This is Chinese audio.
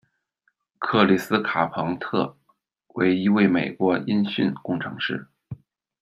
克里斯·卡朋特为一位美国音讯工程师。